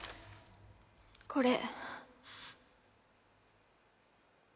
これ。